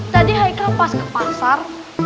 tadi high pas ke pasar